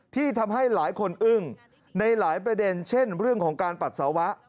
ที่ทำให้หลายคนอึ้งในหลายประเด็นเช่นเรื่องของการปัสสาวะ